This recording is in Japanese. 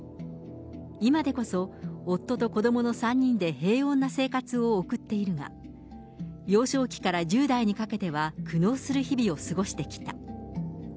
今でこそ夫と子どもの３人で、平穏な生活を送っているが、幼少期から１０代にかけては苦悩する日々を過ごしてきた。